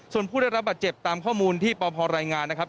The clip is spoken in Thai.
ส่วนผู้ได้รับบาดเจ็บตามข้อมูลที่ปพรายงานนะครับ